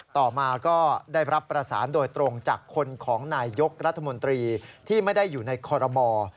ต่อมาก็ได้รับประสานโดยตรงจากคนของนายยกรัฐมนตรีที่ไม่ได้อยู่ในคอรมอ